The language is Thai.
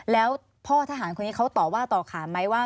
แล้วพ่อทหารคนนี้เขาต่อว่าต่อขานไหมว่า